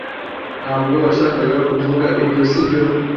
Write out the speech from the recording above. Ntabwo washakaga kuvuga ibyo sibyo